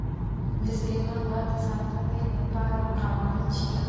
د سلیمان غر د ساتنې لپاره قوانین شته.